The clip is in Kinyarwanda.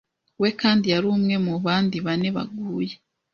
we, kandi yari umwe mu bandi bane baguye.